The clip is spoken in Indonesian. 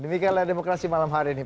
demikianlah demokrasi malam hari ini